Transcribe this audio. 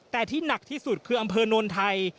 แต่ที่หนักที่สุดคืออำเภอโนนไทย